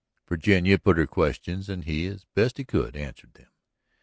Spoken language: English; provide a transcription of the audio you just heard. Virginia put her questions and he, as best he could, answered them.